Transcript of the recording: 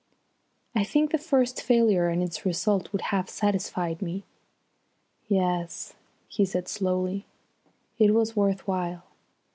"I think the first failure and its result would have satisfied me." "Yes," he said slowly, "it was worth while.